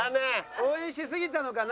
応援しすぎたのかな。